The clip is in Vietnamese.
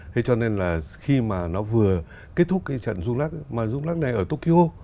thế cho nên là khi mà nó vừa kết thúc cái trận rum lắc mà rung lắc này ở tokyo